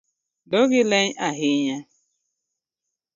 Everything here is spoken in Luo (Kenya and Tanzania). Dhogi leny ahinya